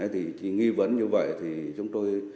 thì nghi vấn như vậy thì chúng tôi